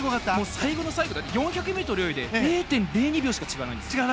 最後の最後４００ｍ泳いで０．０２秒しか違わないんですよ。